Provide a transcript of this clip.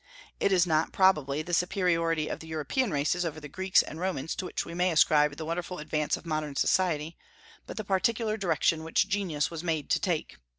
It is not, probably, the superiority of the European races over the Greeks and Romans to which we may ascribe the wonderful advance of modern society, but the particular direction which genius was made to take.